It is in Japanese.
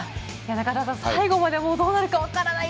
中澤さん、最後までどうなるか分からない